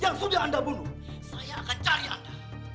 yang sudah anda bunuh saya akan cari anda